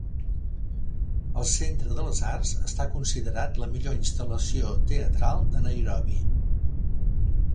El Centre de les Arts està considerat la millor instal·lació teatral de Nairobi.